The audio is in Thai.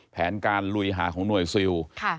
แผนการลุยหาของหน่วยซิล